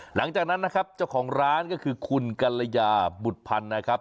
หลังจากนั้นนะครับเจ้าของร้านก็คือคุณกัลยาบุตรพันธ์นะครับ